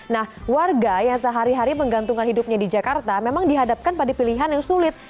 nah warga yang sehari hari menggantungkan hidupnya di jakarta memang dihadapkan pada pilihan yang sulit